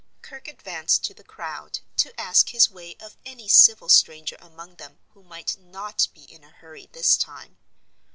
Kirke advanced to the crowd, to ask his way of any civil stranger among them who might not be in a hurry this time.